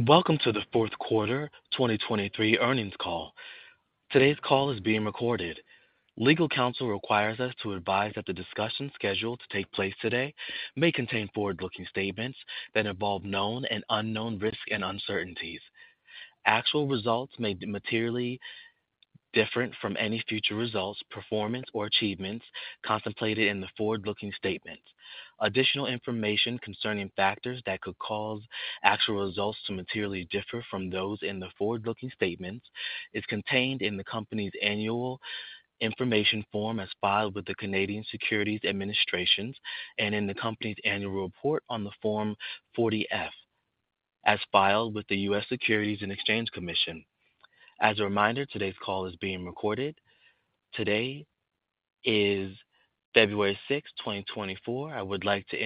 Welcome to the fourth quarter 2023 earnings call. Today's call is being recorded. Legal counsel requires us to advise that the discussion scheduled to take place today may contain forward-looking statements that involve known and unknown risks and uncertainties. Actual results may be materially different from any future results, performance, or achievements contemplated in the forward-looking statements. Additional information concerning factors that could cause actual results to materially differ from those in the forward-looking statements is contained in the company's Annual Information Form as filed with the Canadian Securities Administrators and in the company's annual report on Form 40-F, as filed with the U.S. Securities and Exchange Commission. As a reminder, today's call is being recorded. Today is February 6, 2024. I would like to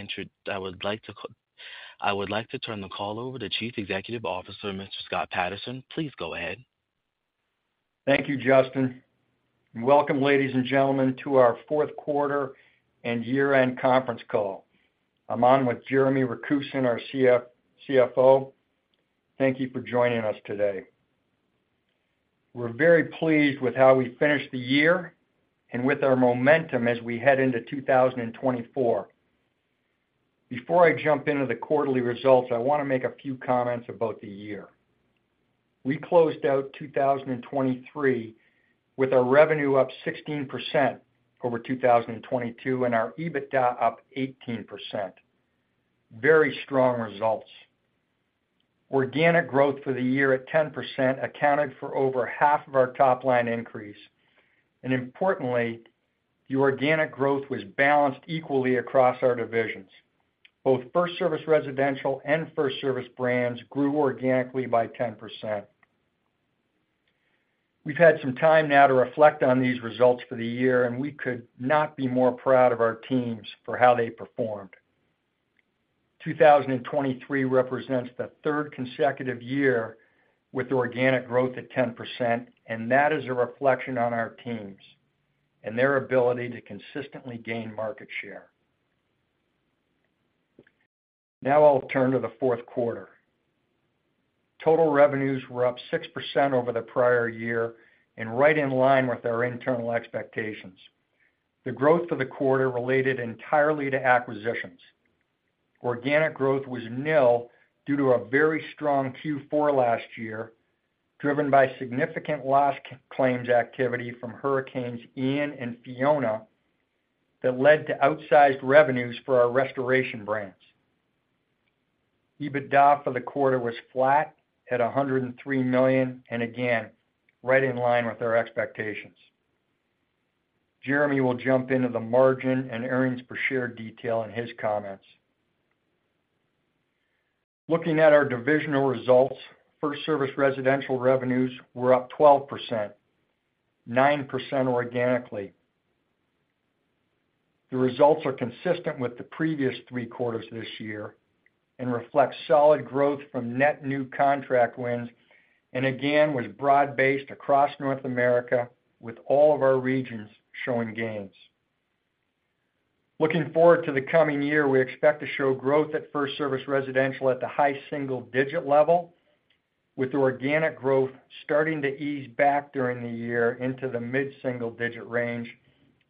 turn the call over to Chief Executive Officer, Mr. Scott Patterson. Please go ahead. Thank you, Justin, and welcome, ladies and gentlemen, to our fourth quarter and year-end conference call. I'm on with Jeremy Rakusin, our CFO. Thank you for joining us today. We're very pleased with how we finished the year and with our momentum as we head into 2024. Before I jump into the quarterly results, I want to make a few comments about the year. We closed out 2023 with our revenue up 16% over 2022 and our EBITDA up 18%. Very strong results. Organic growth for the year at 10% accounted for over half of our top-line increase, and importantly, the organic growth was balanced equally across our divisions. Both FirstService Residential and FirstService Brands grew organically by 10%. We've had some time now to reflect on these results for the year, and we could not be more proud of our teams for how they performed. 2023 represents the third consecutive year with organic growth at 10%, and that is a reflection on our teams and their ability to consistently gain market share. Now I'll turn to the fourth quarter. Total revenues were up 6% over the prior year and right in line with our internal expectations. The growth of the quarter related entirely to acquisitions. Organic growth was nil due to a very strong Q4 last year, driven by significant loss claims activity from hurricanes Ian and Fiona that led to outsized revenues for our restoration brands. EBITDA for the quarter was flat at $103 million, and again, right in line with our expectations. Jeremy will jump into the margin and earnings per share detail in his comments. Looking at our divisional results, FirstService Residential revenues were up 12%, 9% organically. The results are consistent with the previous three quarters this year and reflect solid growth from net new contract wins, and again, was broad-based across North America, with all of our regions showing gains. Looking forward to the coming year, we expect to show growth at FirstService Residential at the high single-digit level, with organic growth starting to ease back during the year into the mid-single-digit range,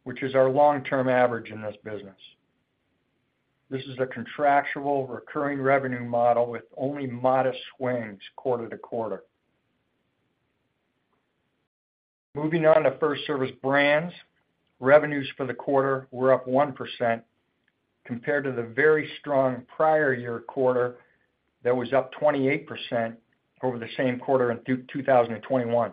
which is our long-term average in this business. This is a contractual recurring revenue model with only modest swings quarter to quarter. Moving on to FirstService Brands, revenues for the quarter were up 1% compared to the very strong prior year quarter that was up 28% over the same quarter in 2021.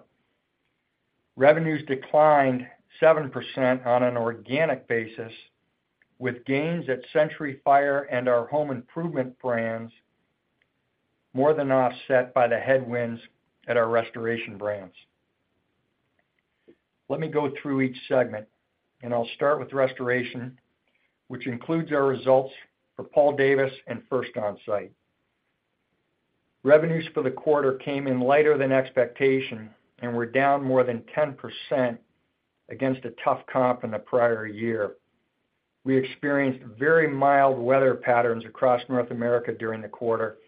Revenues declined 7% on an organic basis, with gains at Century Fire and our home improvement brands more than offset by the headwinds at our restoration brands. Let me go through each segment, and I'll start with restoration, which includes our results for Paul Davis and First Onsite. Revenues for the quarter came in lighter than expectation and were down more than 10% against a tough comp in the prior year. We experienced very mild weather patterns across North America during the quarter,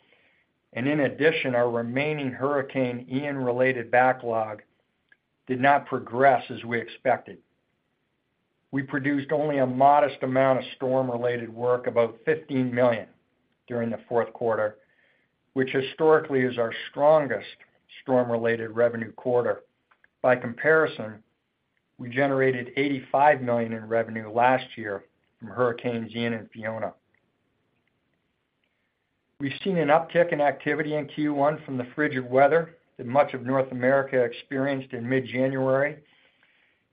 and in addition, our remaining Hurricane Ian-related backlog did not progress as we expected. We produced only a modest amount of storm-related work, about $15 million, during the fourth quarter, which historically is our strongest storm-related revenue quarter. By comparison, we generated $85 million in revenue last year from Hurricanes Ian and Fiona. We've seen an uptick in activity in Q1 from the frigid weather that much of North America experienced in mid-January,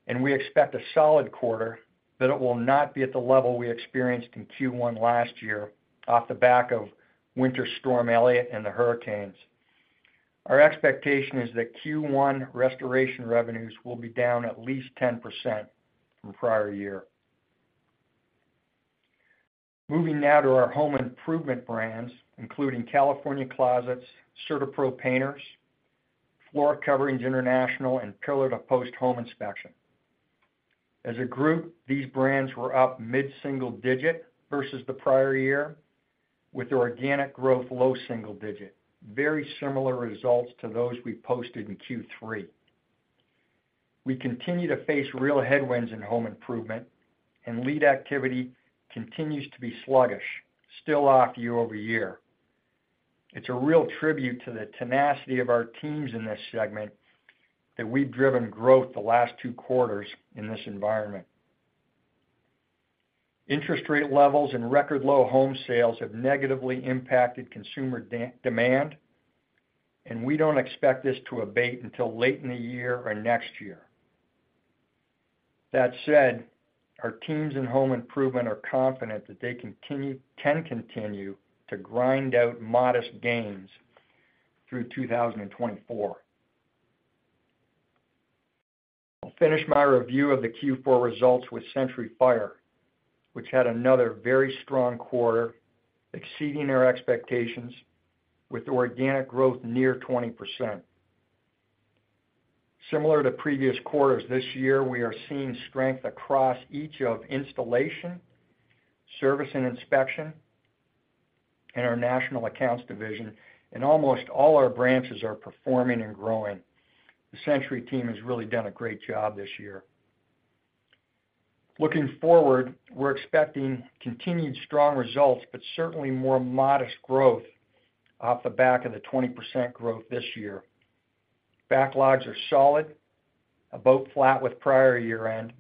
and we expect a solid quarter, but it will not be at the level we experienced in Q1 last year off the back of Winter Storm Elliott and the hurricanes. Our expectation is that Q1 restoration revenues will be down at least 10% from prior year. Moving now to our home improvement brands, including California Closets, CertaPro Painters, Floor Coverings International, and Pillar To Post Home Inspectors. As a group, these brands were up mid-single digit versus the prior year, with organic growth low single digit, very similar results to those we posted in Q3. We continue to face real headwinds in home improvement, and lead activity continues to be sluggish, still off year-over-year. It's a real tribute to the tenacity of our teams in this segment that we've driven growth the last two quarters in this environment. Interest rate levels and record low home sales have negatively impacted consumer demand, and we don't expect this to abate until late in the year or next year. That said, our teams in home improvement are confident that they can continue to grind out modest gains through 2024. I'll finish my review of the Q4 results with Century Fire, which had another very strong quarter, exceeding our expectations with organic growth near 20%. Similar to previous quarters, this year, we are seeing strength across each of installation, service and inspection, and our national accounts division, and almost all our branches are performing and growing. The Century team has really done a great job this year. Looking forward, we're expecting continued strong results, but certainly more modest growth off the back of the 20% growth this year. Backlogs are solid, about flat with prior year-end.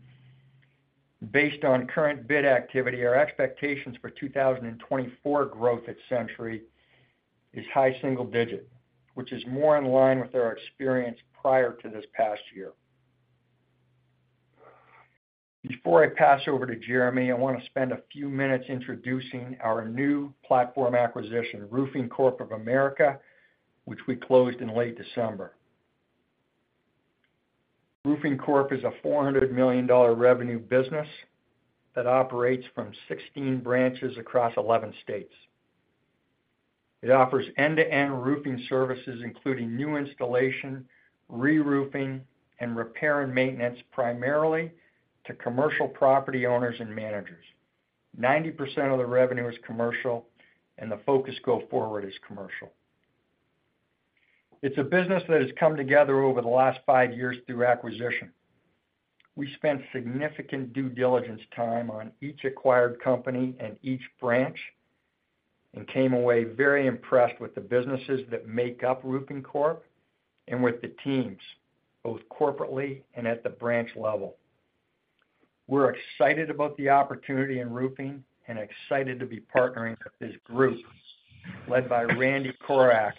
Based on current bid activity, our expectations for 2024 growth at Century is high single digit, which is more in line with our experience prior to this past year. Before I pass over to Jeremy, I want to spend a few minutes introducing our new platform acquisition, Roofing Corp. of America, which we closed in late December. Roofing Corp. of America is a $400 million revenue business that operates from 16 branches across 11 states. It offers end-to-end roofing services, including new installation, reroofing, and repair and maintenance, primarily to commercial property owners and managers. 90% of the revenue is commercial, and the focus go forward is commercial. It's a business that has come together over the last five years through acquisition. We spent significant due diligence time on each acquired company and each branch, and came away very impressed with the businesses that make up Roofing Corp. of America and with the teams, both corporately and at the branch level. We're excited about the opportunity in roofing and excited to be partnering with this group, led by Randy Korach,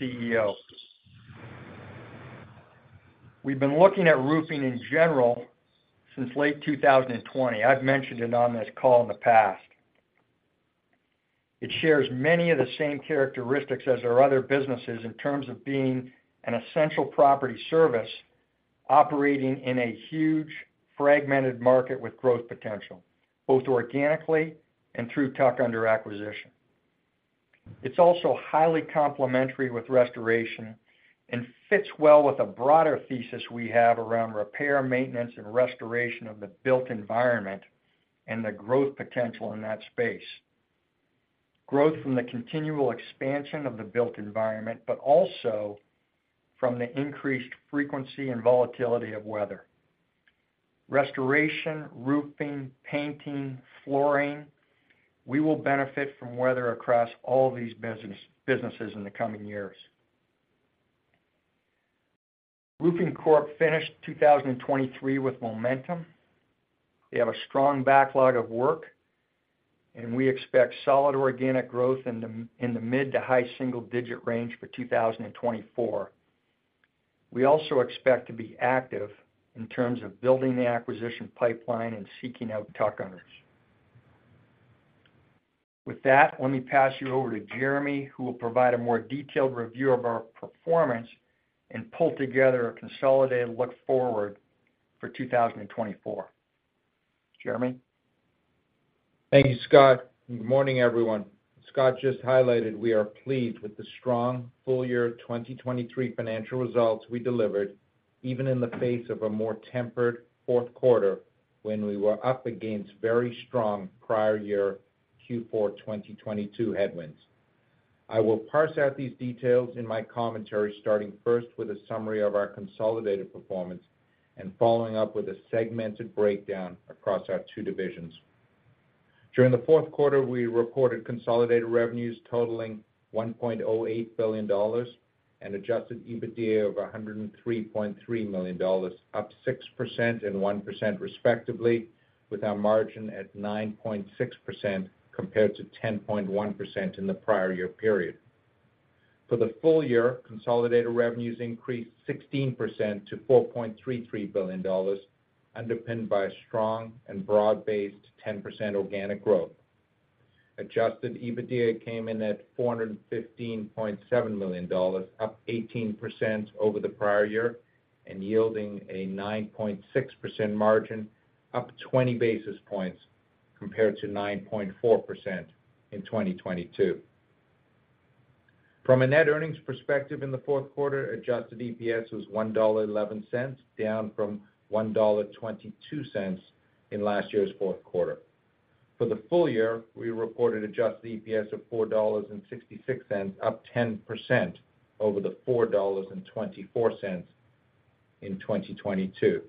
CEO. We've been looking at roofing in general since late 2020. I've mentioned it on this call in the past. It shares many of the same characteristics as our other businesses in terms of being an essential property service operating in a huge, fragmented market with growth potential, both organically and through tuck-under acquisition. It's also highly complementary with restoration and fits well with a broader thesis we have around repair, maintenance, and restoration of the built environment and the growth potential in that space. Growth from the continual expansion of the built environment, but also from the increased frequency and volatility of weather. Restoration, roofing, painting, flooring, we will benefit from weather across all these business, businesses in the coming years. Roofing Corp finished 2023 with momentum. They have a strong backlog of work, and we expect solid organic growth in the mid- to high-single-digit range for 2024. We also expect to be active in terms of building the acquisition pipeline and seeking out tuck-unders. With that, let me pass you over to Jeremy, who will provide a more detailed review of our performance and pull together a consolidated look forward for 2024. Jeremy? Thank you, Scott, and good morning, everyone. Scott just highlighted we are pleased with the strong full year 2023 financial results we delivered, even in the face of a more tempered fourth quarter, when we were up against very strong prior year Q4 2022 headwinds. I will parse out these details in my commentary, starting first with a summary of our consolidated performance and following up with a segmented breakdown across our two divisions. During the fourth quarter, we recorded consolidated revenues totaling $1.08 billion and Adjusted EBITDA of $103.3 million, up 6% and 1% respectively, with our margin at 9.6%, compared to 10.1% in the prior year period. For the full year, consolidated revenues increased 16% to $4.33 billion, underpinned by a strong and broad-based 10% organic growth. Adjusted EBITDA came in at $415.7 million, up 18% over the prior year and yielding a 9.6% margin, up 20 basis points compared to 9.4% in 2022.... From a net earnings perspective in the fourth quarter, adjusted EPS was $1.11, down from $1.22 in last year's fourth quarter. For the full year, we reported adjusted EPS of $4.66, up 10% over the $4.24 in 2022.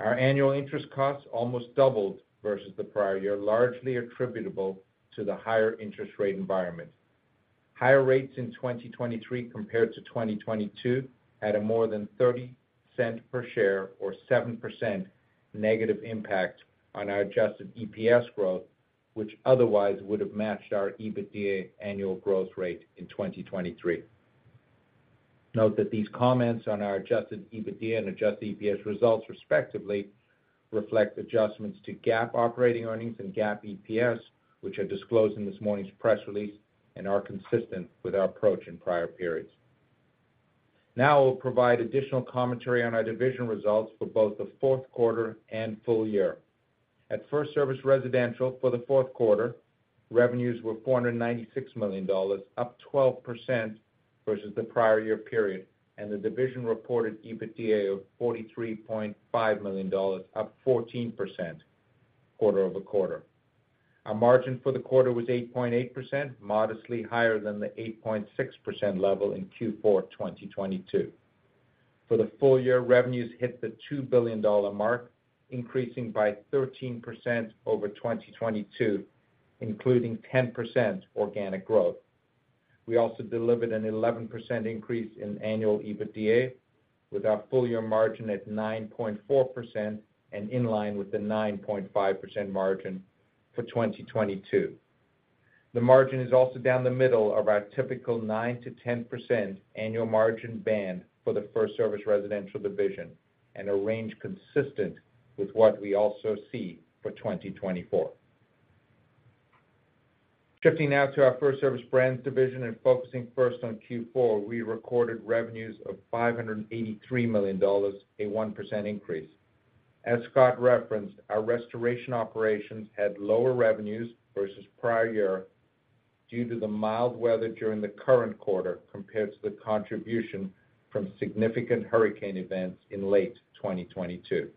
Our annual interest costs almost doubled versus the prior year, largely attributable to the higher interest rate environment. Higher rates in 2023 compared to 2022 had a more than $0.30 per share or 7% negative impact on our adjusted EPS growth, which otherwise would have matched our EBITDA annual growth rate in 2023. Note that these comments on our adjusted EBITDA and adjusted EPS results, respectively, reflect adjustments to GAAP operating earnings and GAAP EPS, which are disclosed in this morning's press release and are consistent with our approach in prior periods. Now I will provide additional commentary on our division results for both the fourth quarter and full year. At FirstService Residential, for the fourth quarter, revenues were $496 million, up 12% versus the prior year period, and the division reported EBITDA of $43.5 million, up 14% quarter-over-quarter. Our margin for the quarter was 8.8%, modestly higher than the 8.6% level in Q4 2022. For the full year, revenues hit the $2 billion mark, increasing by 13% over 2022, including 10% organic growth. We also delivered an 11% increase in annual EBITDA, with our full-year margin at 9.4% and in line with the 9.5% margin for 2022. The margin is also down the middle of our typical 9%-10% annual margin band for the FirstService Residential division and a range consistent with what we also see for 2024. Shifting now to our FirstService Brands division and focusing first on Q4, we recorded revenues of $583 million, a 1% increase. As Scott referenced, our restoration operations had lower revenues versus prior year due to the mild weather during the current quarter, compared to the contribution from significant hurricane events in late 2022.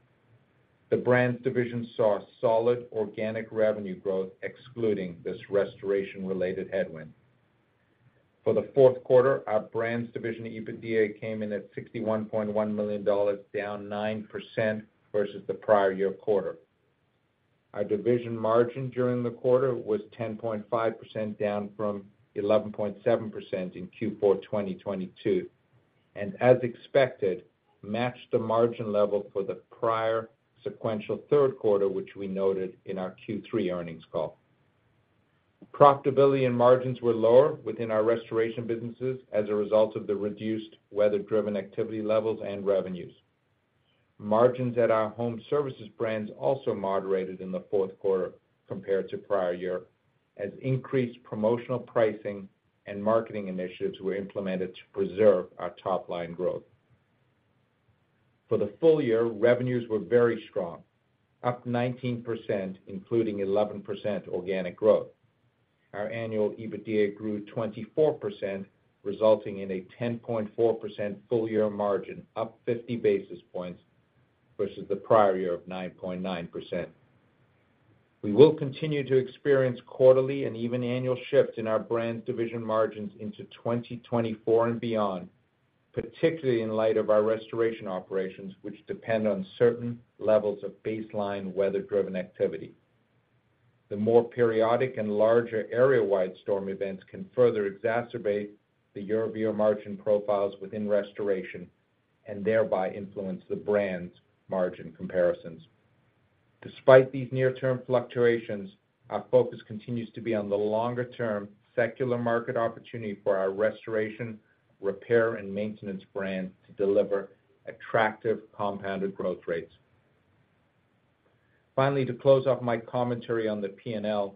The Brands division saw solid organic revenue growth, excluding this restoration-related headwind. For the fourth quarter, our Brands division EBITDA came in at $61.1 million, down 9% versus the prior year quarter. Our division margin during the quarter was 10.5%, down from 11.7% in Q4 2022, and as expected, matched the margin level for the prior sequential third quarter, which we noted in our Q3 earnings call. Profitability and margins were lower within our restoration businesses as a result of the reduced weather-driven activity levels and revenues. Margins at our home services brands also moderated in the fourth quarter compared to prior year, as increased promotional pricing and marketing initiatives were implemented to preserve our top line growth. For the full year, revenues were very strong, up 19%, including 11% organic growth. Our annual EBITDA grew 24%, resulting in a 10.4% full-year margin, up 50 basis points versus the prior year of 9.9%. We will continue to experience quarterly and even annual shifts in our Brands division margins into 2024 and beyond, particularly in light of our restoration operations, which depend on certain levels of baseline weather-driven activity. The more periodic and larger area-wide storm events can further exacerbate the year-over-year margin profiles within restoration and thereby influence the brand's margin comparisons. Despite these near-term fluctuations, our focus continues to be on the longer-term secular market opportunity for our restoration, repair, and maintenance brands to deliver attractive compounded growth rates. Finally, to close off my commentary on the P&L,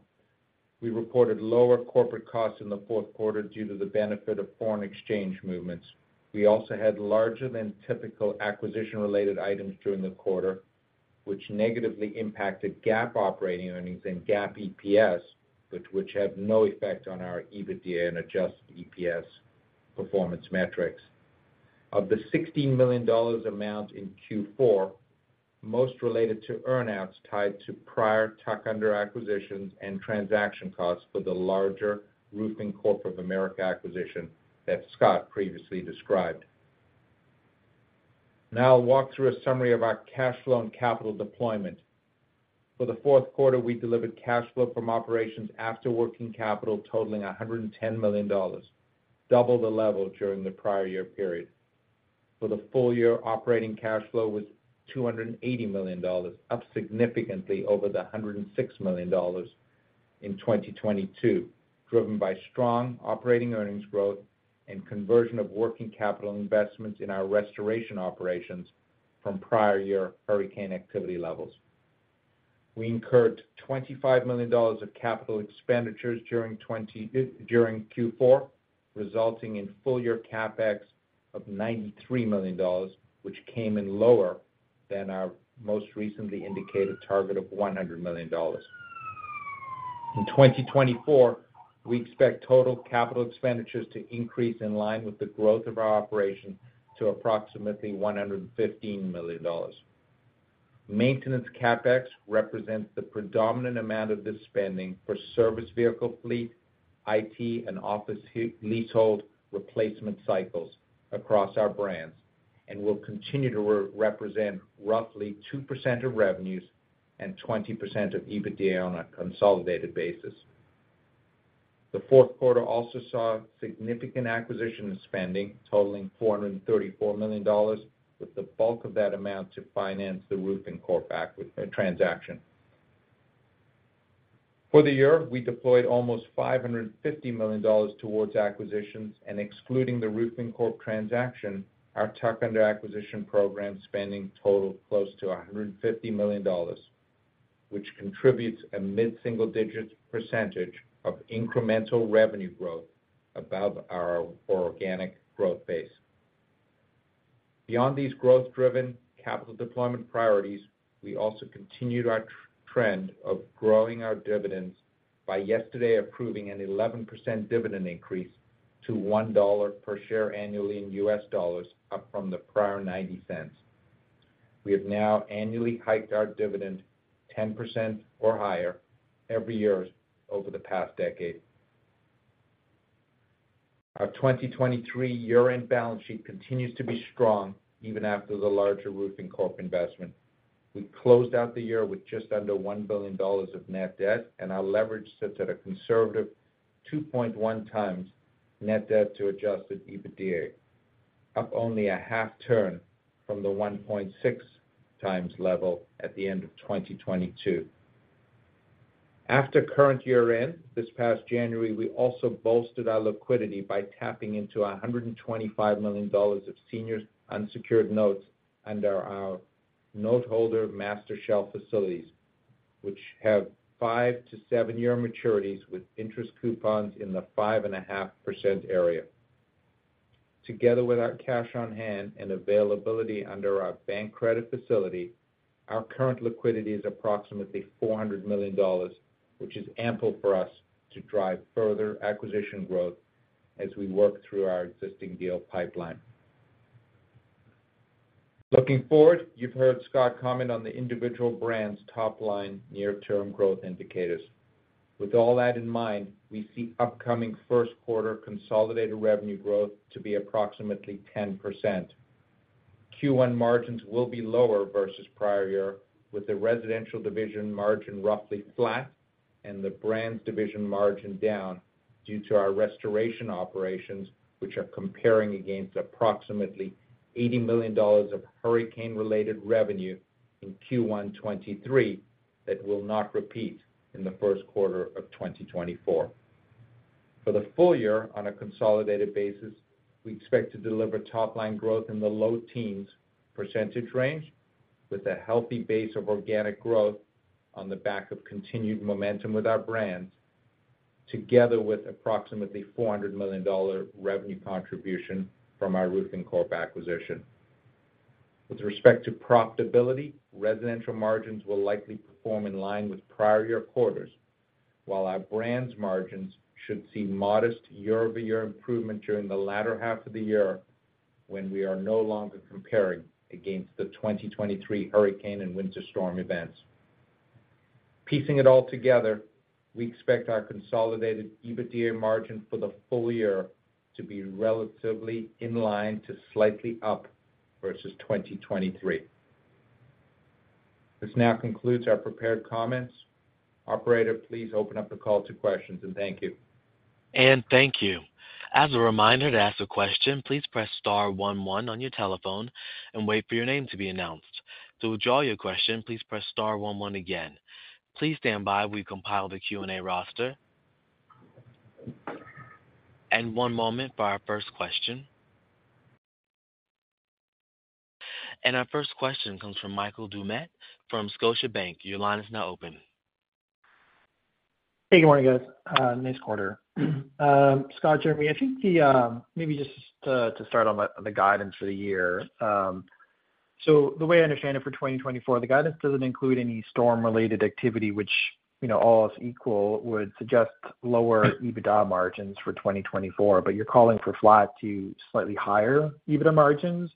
we reported lower corporate costs in the fourth quarter due to the benefit of foreign exchange movements. We also had larger than typical acquisition-related items during the quarter, which negatively impacted GAAP operating earnings and GAAP EPS, but which have no effect on our EBITDA and adjusted EPS performance metrics. Of the $16 million amount in Q4, most related to earn-outs tied to prior tuck-under acquisitions and transaction costs for the larger Roofing Corp. of America acquisition that Scott previously described. Now I'll walk through a summary of our cash flow and capital deployment. For the fourth quarter, we delivered cash flow from operations after working capital totaling $110 million, double the level during the prior year period. For the full year, operating cash flow was $280 million, up significantly over the $106 million in 2022, driven by strong operating earnings growth and conversion of working capital investments in our restoration operations from prior year hurricane activity levels. We incurred $25 million of capital expenditures during Q4, resulting in full-year CapEx of $93 million, which came in lower than our most recently indicated target of $100 million. In 2024, we expect total capital expenditures to increase in line with the growth of our operation to approximately $115 million. Maintenance CapEx represents the predominant amount of this spending for service vehicle fleet, IT, and office leasehold replacement cycles across our brands, and will continue to represent roughly 2% of revenues and 20% of EBITDA on a consolidated basis. The fourth quarter also saw significant acquisition spending totaling $434 million, with the bulk of that amount to finance the Roofing Corp acquisition transaction. For the year, we deployed almost $550 million towards acquisitions, and excluding the Roofing Corp transaction, our tuck-under acquisition program spending totaled close to $150 million, which contributes a mid-single digit percentage of incremental revenue growth above our organic growth base. Beyond these growth-driven capital deployment priorities, we also continued our trend of growing our dividends by yesterday approving an 11% dividend increase to $1 per share annually in US dollars, up from the prior $0.90. We have now annually hiked our dividend 10% or higher every year over the past decade. Our 2023 year-end balance sheet continues to be strong even after the larger Roofing Corp investment. We closed out the year with just under $1 billion of net debt, and our leverage sits at a conservative 2.1 times net debt to adjusted EBITDA, up only a half turn from the 1.6 times level at the end of 2022. After current year-end, this past January, we also bolstered our liquidity by tapping into $125 million of senior unsecured notes under our noteholder master shelf facilities, which have 5- to 7-year maturities with interest coupons in the 5.5% area. Together with our cash on hand and availability under our bank credit facility, our current liquidity is approximately $400 million, which is ample for us to drive further acquisition growth as we work through our existing deal pipeline. Looking forward, you've heard Scott comment on the individual brands' top-line near-term growth indicators. With all that in mind, we see upcoming first quarter consolidated revenue growth to be approximately 10%. Q1 margins will be lower versus prior year, with the residential division margin roughly flat and the brands division margin down due to our restoration operations, which are comparing against approximately $80 million of hurricane-related revenue in Q1 2023, that will not repeat in the first quarter of 2024. For the full year, on a consolidated basis, we expect to deliver top line growth in the low teens % range, with a healthy base of organic growth on the back of continued momentum with our brands, together with approximately $400 million revenue contribution from our Roofing Corp acquisition. With respect to profitability, residential margins will likely perform in line with prior year quarters, while our brands margins should see modest year-over-year improvement during the latter half of the year when we are no longer comparing against the 2023 hurricane and winter storm events. Piecing it all together, we expect our consolidated EBITDA margin for the full year to be relatively in line to slightly up versus 2023. This now concludes our prepared comments. Operator, please open up the call to questions, and thank you. Thank you. As a reminder, to ask a question, please press star one one on your telephone and wait for your name to be announced. To withdraw your question, please press star one one again. Please stand by. We compile the Q&A roster. One moment for our first question. Our first question comes from Michael Doumet from Scotiabank. Your line is now open. Hey, good morning, guys. Nice quarter. Scott, Jeremy, I think the... Maybe just to start on the guidance for the year. So the way I understand it, for 2024, the guidance doesn't include any storm-related activity, which, you know, all else equal, would suggest lower EBITDA margins for 2024. But you're calling for flat to slightly higher EBITDA margins,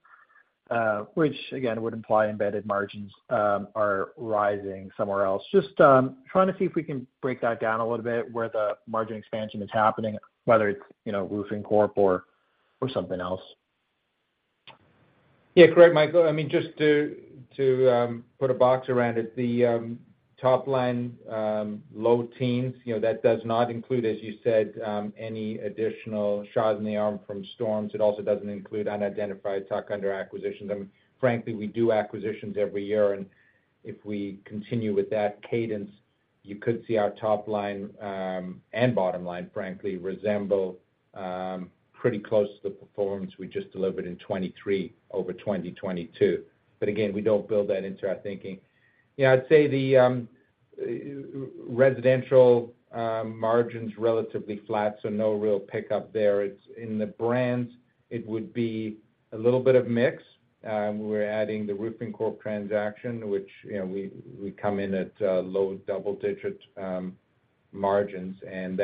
which again, would imply embedded margins are rising somewhere else. Just trying to see if we can break that down a little bit, where the margin expansion is happening, whether it's, you know, Roofing Corp or something else. Yeah, great, Michael. I mean, just to put a box around it, the top line, low teens, you know, that does not include, as you said, any additional shot in the arm from storms. It also doesn't include unidentified tuck under acquisitions. I mean, frankly, we do acquisitions every year, and if we continue with that cadence, you could see our top line and bottom line, frankly, resemble pretty close to the performance we just delivered in 2023 over 2022. But again, we don't build that into our thinking. Yeah, I'd say the residential margin's relatively flat, so no real pickup there. It's in the brands, it would be a little bit of mix. We're adding the Roofing Corp transaction, which, you know, we come in at low double digits margins, and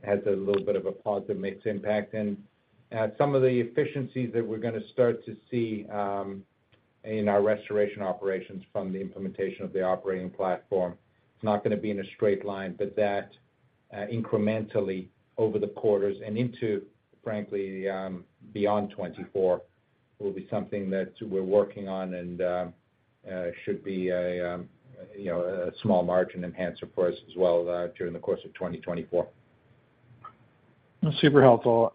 that-... has a little bit of a positive mixed impact. Some of the efficiencies that we're gonna start to see in our restoration operations from the implementation of the operating platform, it's not gonna be in a straight line, but that incrementally over the quarters and into, frankly, beyond 2024, will be something that we're working on and should be a, you know, a small margin enhancer for us as well during the course of 2024. Super helpful.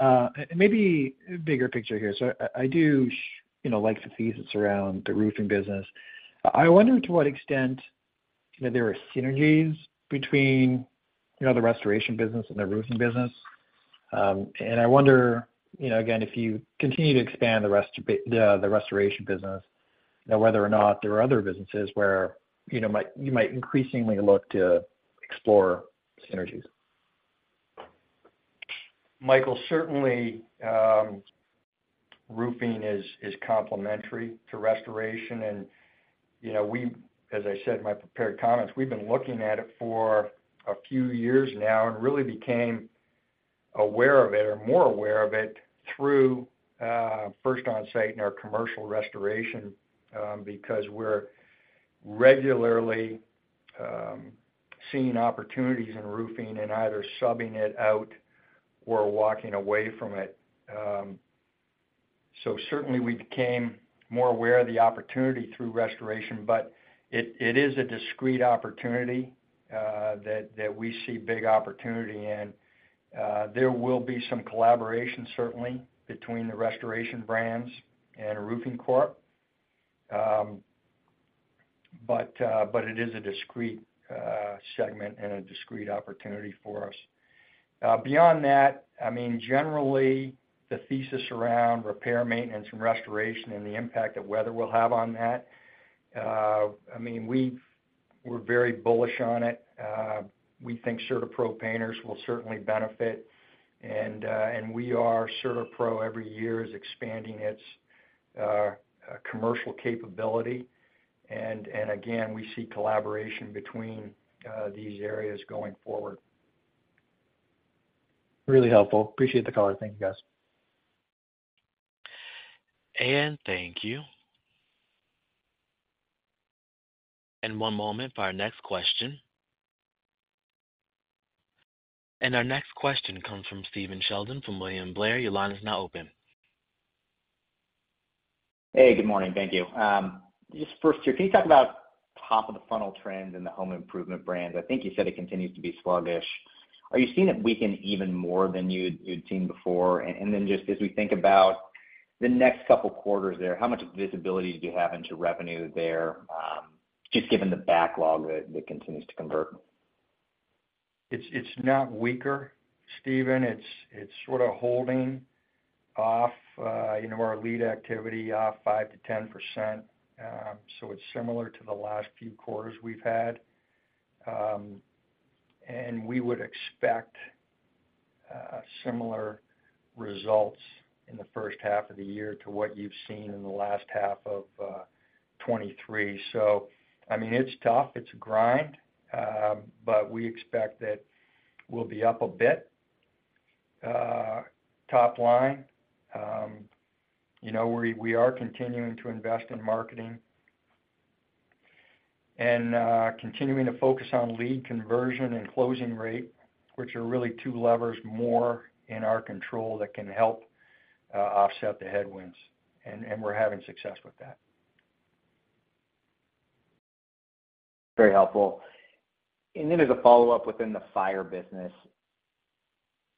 Maybe bigger picture here. So I, I do, you know, like the thesis around the roofing business. I wonder to what extent, you know, there are synergies between, you know, the restoration business and the roofing business. And I wonder, you know, again, if you continue to expand the restoration business, you know, whether or not there are other businesses where, you know, you might increasingly look to explore synergies. Michael, certainly, roofing is complementary to restoration. And, you know, we, as I said in my prepared comments, we've been looking at it for a few years now and really became aware of it, or more aware of it, through First Onsite in our commercial restoration, because we're regularly seeing opportunities in roofing and either subbing it out or walking away from it. So certainly, we became more aware of the opportunity through restoration, but it is a discrete opportunity that we see big opportunity. And there will be some collaboration, certainly, between the restoration brands and Roofing Corp. But it is a discrete segment and a discrete opportunity for us. Beyond that, I mean, generally, the thesis around repair, maintenance, and restoration and the impact that weather will have on that, I mean, we're very bullish on it. We think CertaPro Painters will certainly benefit, and, and we are, CertaPro every year is expanding its commercial capability, and, and again, we see collaboration between these areas going forward. Really helpful. Appreciate the color. Thank you, guys. Thank you. One moment for our next question. Our next question comes from Stephen Sheldon from William Blair. Your line is now open. Hey, good morning, thank you. Just first here, can you talk about top-of-the-funnel trends in the home improvement brands? I think you said it continues to be sluggish. Are you seeing it weaken even more than you'd seen before? And then just as we think about the next couple quarters there, how much visibility do you have into revenue there, just given the backlog that continues to convert? It's not weaker, Stephen. It's sort of holding off, you know, our lead activity 5%-10%. So it's similar to the last few quarters we've had. And we would expect similar results in the first half of the year to what you've seen in the last half of 2023. So, I mean, it's tough. It's a grind, but we expect that we'll be up a bit, top line. You know, we are continuing to invest in marketing and continuing to focus on lead conversion and closing rate, which are really two levers more in our control that can help offset the headwinds, and we're having success with that. Very helpful. And then as a follow-up within the fire business,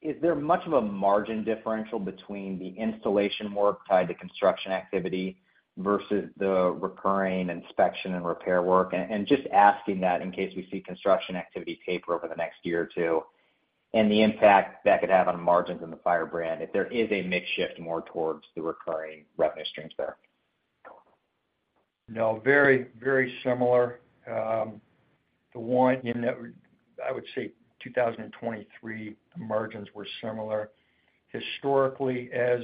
is there much of a margin differential between the installation work tied to construction activity versus the recurring inspection and repair work? And just asking that in case we see construction activity taper over the next year or two, and the impact that could have on margins in the fire brand, if there is a mix shift more towards the recurring revenue streams there. No, very, very similar. The one in that, I would say 2023, margins were similar. Historically, as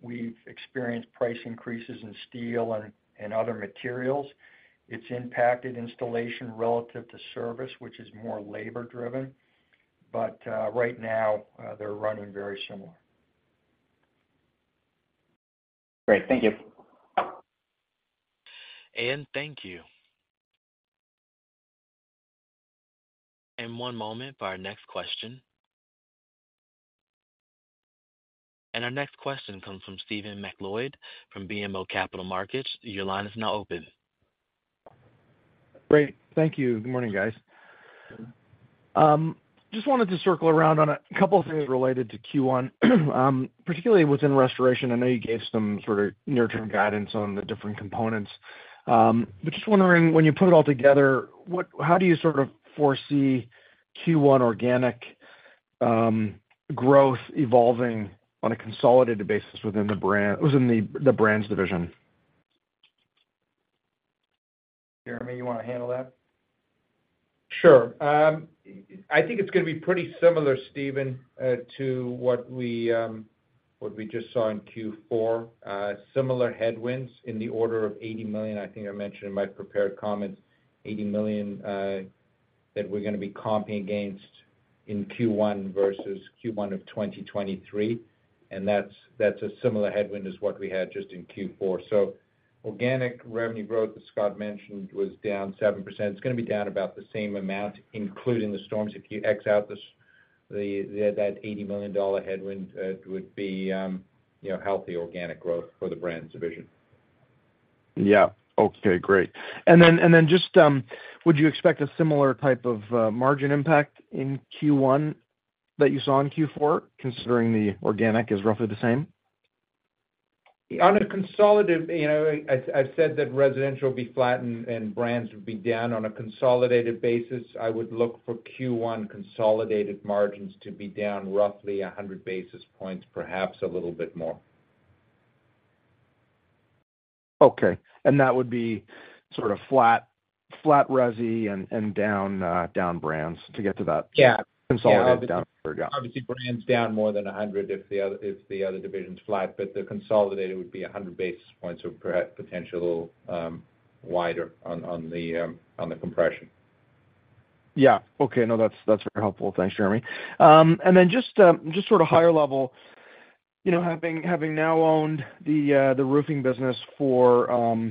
we've experienced price increases in steel and other materials, it's impacted installation relative to service, which is more labor driven. But right now, they're running very similar. Great. Thank you. Thank you. One moment for our next question. Our next question comes from Stephen MacLeod from BMO Capital Markets. Your line is now open. Great. Thank you. Good morning, guys. Just wanted to circle around on a couple of things related to Q1, particularly within restoration. I know you gave some sort of near-term guidance on the different components. But just wondering, when you put it all together, what, how do you sort of foresee Q1 organic growth evolving on a consolidated basis within the Brands division? Jeremy, you want to handle that? Sure. I think it's gonna be pretty similar, Stephen, to what we just saw in Q4, similar headwinds in the order of $80 million. I think I mentioned in my prepared comments, $80 million, that we're gonna be comping against in Q1 versus Q1 of 2023, and that's a similar headwind as what we had just in Q4. So organic revenue growth, as Scott mentioned, was down 7%. It's gonna be down about the same amount, including the storms. If you x out that $80 million headwind, it would be, you know, healthy organic growth for the brands division. Yeah. Okay, great. And then just, would you expect a similar type of margin impact in Q1 that you saw in Q4, considering the organic is roughly the same? On a consolidated, you know, I've said that residential will be flat and brands will be down. On a consolidated basis, I would look for Q1 consolidated margins to be down roughly 100 basis points, perhaps a little bit more. Okay. And that would be sort of flat, flat resi and down, down brands to get to that- Yeah. Consolidated down. Yeah. Obviously, brands down more than 100 if the other division's flat, but the consolidated would be 100 basis points or perhaps potential wider on the compression. Yeah. Okay. No, that's, that's very helpful. Thanks, Jeremy. And then just sort of higher level, you know, having now owned the roofing business for,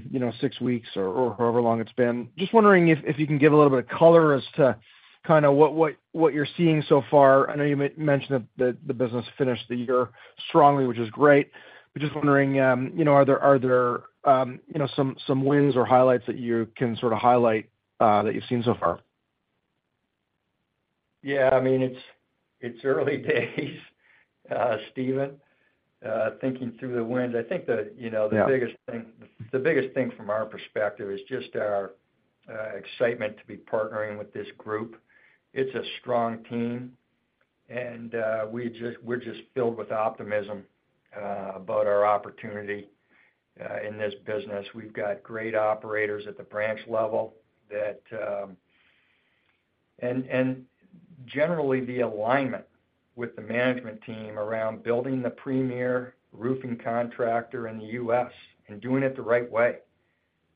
you know, six weeks or however long it's been, just wondering if you can give a little bit of color as to kind of what you're seeing so far. I know you mentioned that the business finished the year strongly, which is great. But just wondering, you know, are there some wins or highlights that you can sort of highlight that you've seen so far? Yeah, I mean, it's early days, Stephen. Thinking through the wins, I think the, you know- Yeah... the biggest thing, the biggest thing from our perspective is just our excitement to be partnering with this group. It's a strong team, and we just- we're just filled with optimism about our opportunity in this business. We've got great operators at the branch level that... And, and generally, the alignment with the management team around building the premier roofing contractor in the U.S. and doing it the right way,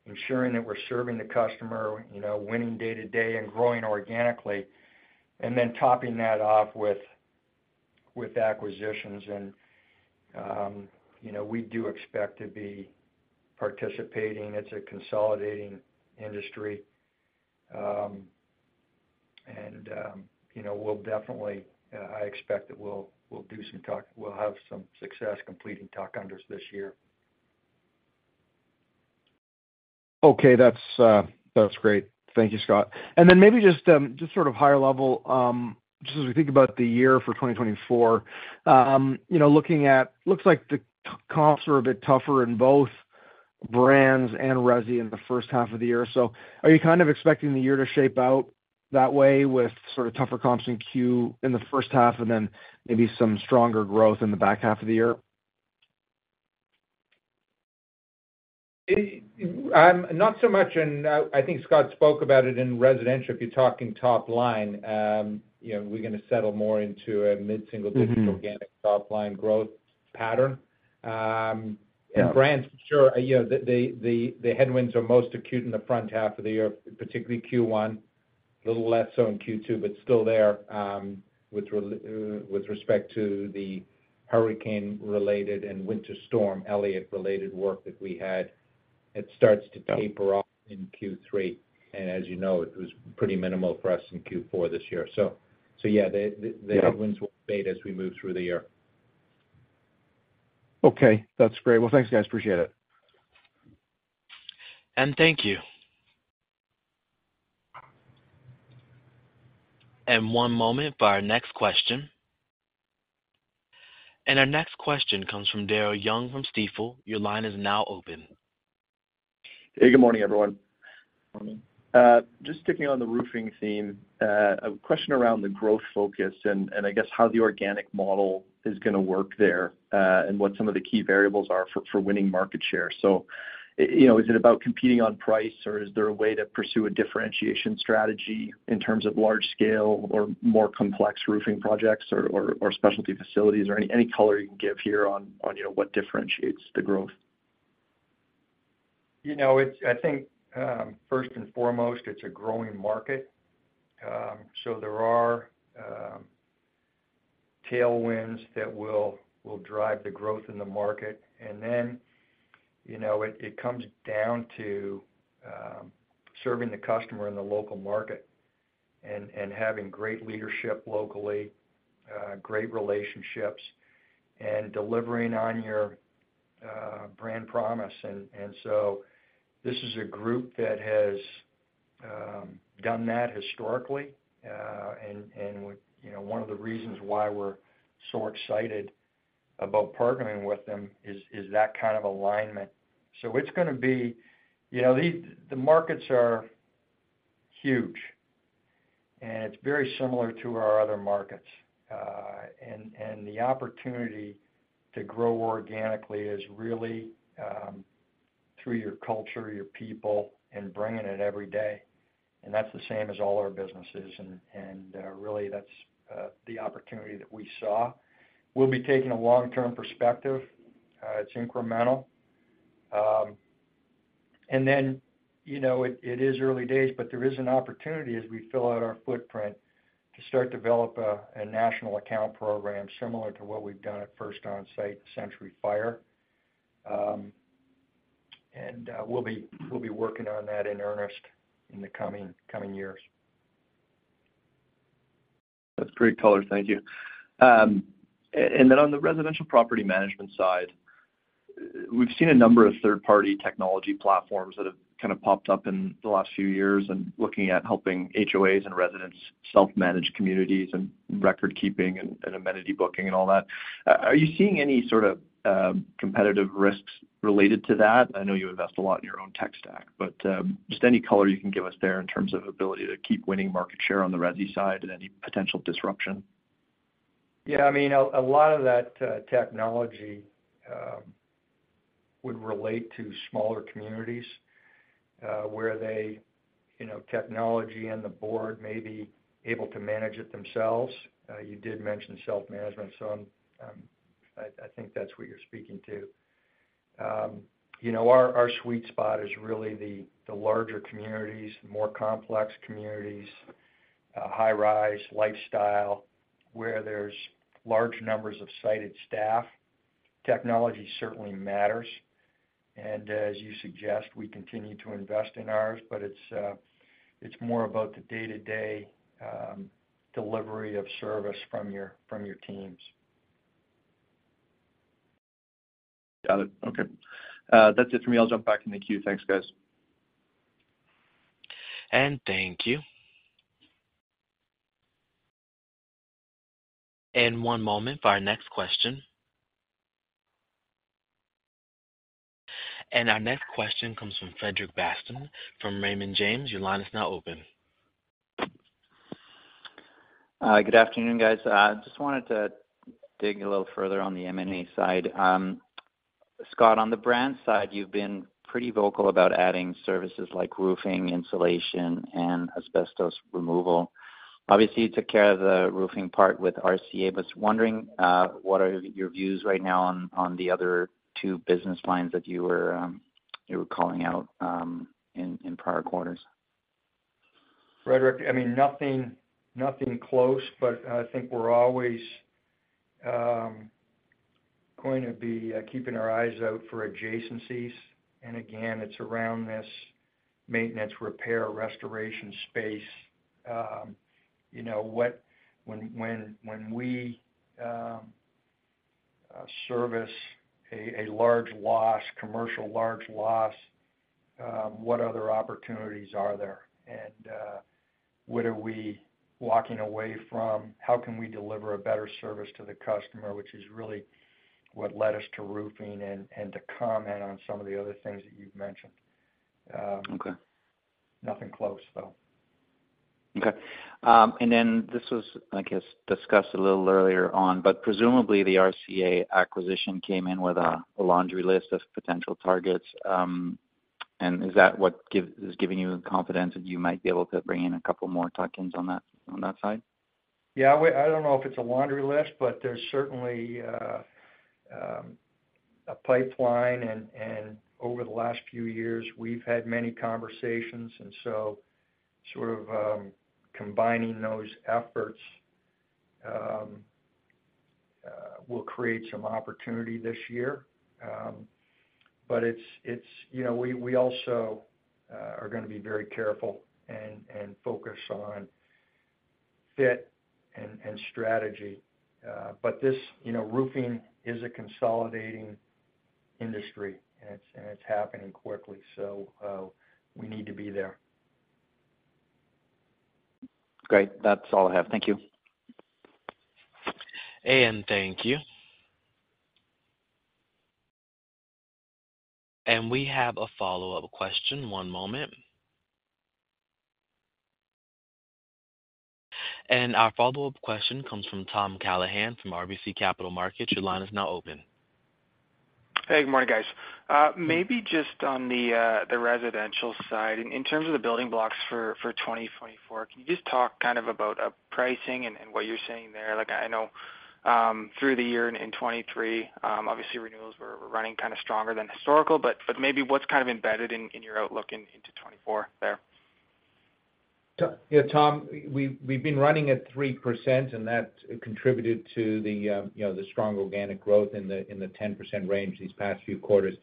ensuring that we're serving the customer, you know, winning day-to-day and growing organically, and then topping that off with acquisitions. And you know, we do expect to be participating. It's a consolidating industry, and you know, we'll definitely, I expect that we'll do some tuck-unders this year. We'll have some success completing tuck-unders this year. Okay. That's great. Thank you, Scott. Then maybe just sort of higher level, just as we think about the year for 2024, you know, looking at—looks like the comps are a bit tougher in both brands and resi in the first half of the year. So are you kind of expecting the year to shape out that way, with sort of tougher comps in Q1 in the first half and then maybe some stronger growth in the back half of the year? Not so much, and I think Scott spoke about it in residential. If you're talking top line, you know, we're gonna settle more into a mid-single digit- Mm-hmm... organic top line growth pattern. Yeah. In brands, sure, you know, the headwinds are most acute in the front half of the year, particularly Q1, little less so in Q2, but still there, with respect to the hurricane-related and Winter Storm Elliott-related work that we had. It starts to taper- Yeah... off in Q3, and as you know, it was pretty minimal for us in Q4 this year. So yeah, the- Yeah... the headwinds will fade as we move through the year. Okay. That's great. Well, thanks, guys. Appreciate it. Thank you. One moment for our next question. Our next question comes from Daryl Young from Stifel. Your line is now open. Hey, good morning, everyone. Morning. Just sticking on the roofing theme, a question around the growth focus and I guess how the organic model is gonna work there, and what some of the key variables are for winning market share. So, you know, is it about competing on price, or is there a way to pursue a differentiation strategy in terms of large scale or more complex roofing projects or specialty facilities? Or any color you can give here on, you know, what differentiates the growth? You know, it's—I think, first and foremost, it's a growing market. So there are tailwinds that will drive the growth in the market. And then, you know, it comes down to serving the customer in the local market and having great leadership locally, great relationships, and delivering on your brand promise. And so this is a group that has done that historically and with—You know, one of the reasons why we're so excited about partnering with them is that kind of alignment. So it's gonna be... You know, the markets are huge, and it's very similar to our other markets. And the opportunity to grow organically is really through your culture, your people, and bringing it every day. And that's the same as all our businesses, and really, that's the opportunity that we saw. We'll be taking a long-term perspective. It's incremental. And then, you know, it is early days, but there is an opportunity as we fill out our footprint to start to develop a national account program similar to what we've done at First Onsite and Century Fire. And we'll be working on that in earnest in the coming years. That's great color. Thank you. And then on the residential property management side, we've seen a number of third-party technology platforms that have kind of popped up in the last few years and looking at helping HOAs and residents self-manage communities and record keeping and amenity booking and all that. Are you seeing any sort of competitive risks related to that? I know you invest a lot in your own tech stack, but just any color you can give us there in terms of ability to keep winning market share on the resi side and any potential disruption? Yeah, I mean, a lot of that technology would relate to smaller communities, where they, you know, technology and the board may be able to manage it themselves. You did mention self-management, so I think that's what you're speaking to. You know, our sweet spot is really the larger communities, more complex communities, high-rise, lifestyle, where there's large numbers of on-site staff. Technology certainly matters, and as you suggest, we continue to invest in ours, but it's more about the day-to-day delivery of service from your teams. Got it. Okay. That's it for me. I'll jump back in the queue. Thanks, guys. Thank you. One moment for our next question. Our next question comes from Frederic Bastien from Raymond James. Your line is now open. Good afternoon, guys. Just wanted to dig a little further on the M&A side. Scott, on the brand side, you've been pretty vocal about adding services like roofing, insulation, and asbestos removal. Obviously, you took care of the roofing part with RCA, but I was wondering what are your views right now on the other two business lines that you were calling out in prior quarters? Frederic, I mean, nothing, nothing close, but I think we're always going to be keeping our eyes out for adjacencies. And again, it's around this maintenance, repair, restoration space. You know, what - when we service a large loss, commercial large loss, what other opportunities are there? And what are we walking away from? How can we deliver a better service to the customer, which is really what led us to roofing and to comment on some of the other things that you've mentioned. Okay. Nothing close, though. Okay. And then this was, I guess, discussed a little earlier on, but presumably the RCA acquisition came in with a laundry list of potential targets. And is that what is giving you the confidence that you might be able to bring in a couple more tuck-ins on that side? Yeah, we—I don't know if it's a laundry list, but there's certainly a pipeline, and over the last few years, we've had many conversations, and so sort of combining those efforts will create some opportunity this year. But it's—you know, we also are gonna be very careful and focus on fit and strategy. But this, you know, roofing is a consolidating industry, and it's happening quickly, so we need to be there. Great. That's all I have. Thank you. Thank you. We have a follow-up question. One moment. Our follow-up question comes from Tom Callaghan from RBC Capital Markets. Your line is now open. Hey, good morning, guys. Maybe just on the residential side, in terms of the building blocks for 2024, can you just talk kind of about pricing and what you're seeing there? Like, I know, through the year in 2023, obviously renewals were running kind of stronger than historical, but maybe what's kind of embedded in your outlook into 2024 there? Yeah, Tom, we've been running at 3%, and that contributed to the, you know, the strong organic growth in the 10% range these past few quarters.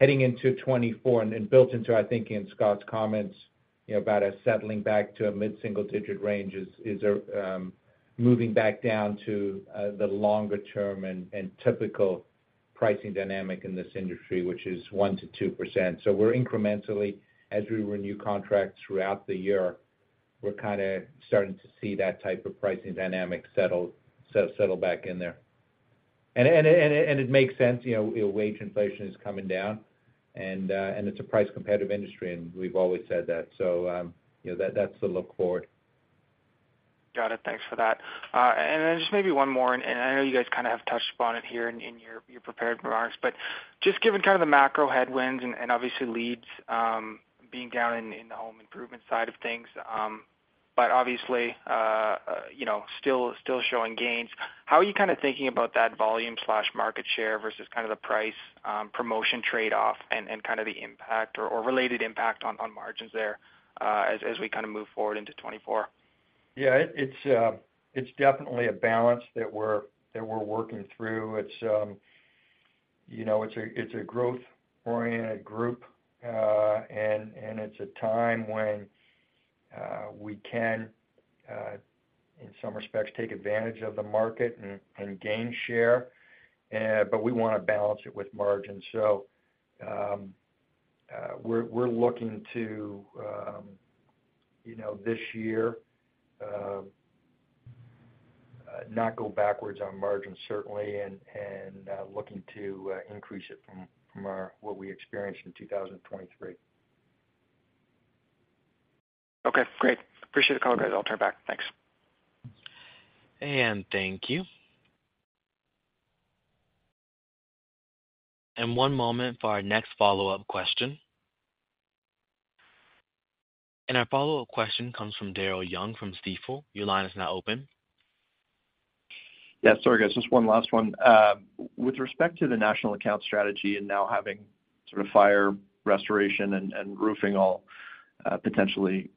Heading into 2024 and built into, I think, in Scott's comments, you know, about us settling back to a mid-single-digit range is moving back down to the longer term and typical pricing dynamic in this industry, which is 1%-2%. So we're incrementally, as we renew contracts throughout the year, we're kind of starting to see that type of pricing dynamic settle back in there. And it makes sense, you know, wage inflation is coming down, and it's a price competitive industry, and we've always said that. So, you know, that's the look forward. Got it. Thanks for that. And then just maybe one more, and I know you guys kind of have touched upon it here in your prepared remarks, but just given kind of the macro headwinds and obviously leads being down in the home improvement side of things, but obviously you know still showing gains. How are you kind of thinking about that volume/market share versus kind of the price promotion trade-off and kind of the impact or related impact on margins there as we kind of move forward into 2024? Yeah, it's definitely a balance that we're working through. It's you know, it's a growth-oriented group, and it's a time when we can in some respects take advantage of the market and gain share, but we wanna balance it with margins. So, we're looking to you know, this year, not go backwards on margins certainly, and looking to increase it from what we experienced in 2023. Okay, great. Appreciate the call, guys. I'll turn back. Thanks. Thank you. One moment for our next follow-up question. Our follow-up question comes from Daryl Young from Stifel. Your line is now open. Yeah, sorry, guys, just one last one. With respect to the national account strategy and now having sort of fire, restoration, and roofing all potentially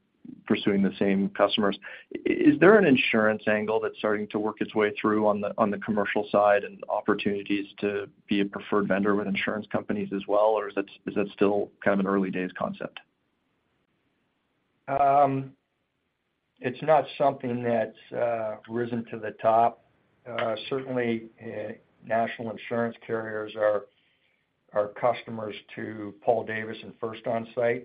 pursuing the same customers, is there an insurance angle that's starting to work its way through on the commercial side and opportunities to be a preferred vendor with insurance companies as well, or is that still kind of an early days concept? It's not something that's risen to the top. Certainly, national insurance carriers are customers to Paul Davis and First Onsite.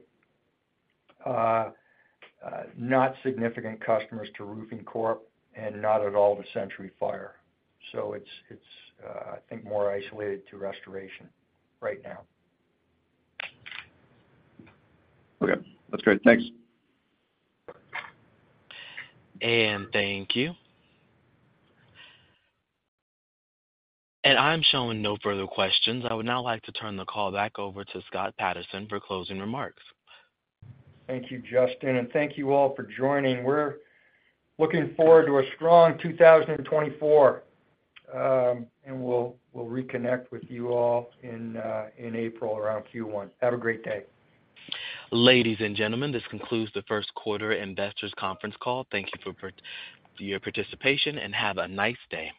Not significant customers to Roofing Corp, and not at all to Century Fire. So it's, I think, more isolated to restoration right now. Okay, that's great. Thanks. Thank you. I'm showing no further questions. I would now like to turn the call back over to Scott Patterson for closing remarks. Thank you, Justin, and thank you all for joining. We're looking forward to a strong 2024. We'll reconnect with you all in April, around Q1. Have a great day. Ladies and gentlemen, this concludes the first quarter investors conference call. Thank you for your participation, and have a nice day.